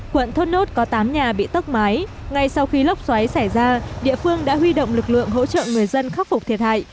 quận thốt nốt có tám nhà bị tốc mái ngay sau khi lốc xoáy xảy ra địa phương đã huy động lực lượng hỗ trợ người dân khắc phục thiệt hại